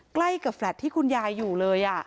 ใกล้กับแฟลตที่คุณยายอยู่เลย